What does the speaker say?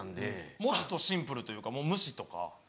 もっとシンプルというかもう無視とか。